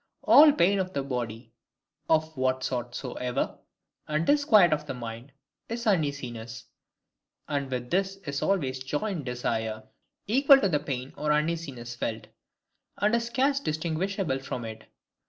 All pain of the body, of what sort soever, and disquiet of the mind, is uneasiness: and with this is always joined desire, equal to the pain or uneasiness felt; and is scarce distinguishable from it.